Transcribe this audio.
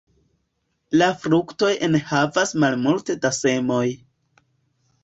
La fruktoj enhavas malmulte da semoj.